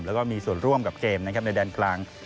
แล้วก็มีส่วนร่วมกับเกมนะครับในแดนกลาง